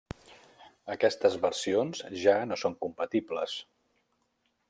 Aquestes versions ja no són compatibles.